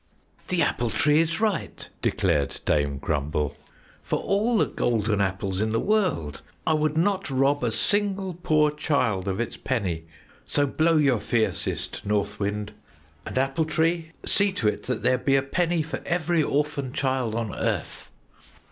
"The Apple Tree is right!" declared Dame Grumble. "For all the golden apples in the world, I would not rob a single poor child of its penny. So blow your fiercest, North Wind; and Apple Tree, see to it that there be a penny for every orphan child on earth."